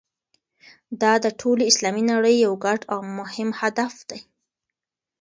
دا د ټولې اسلامي نړۍ یو ګډ او مهم هدف دی.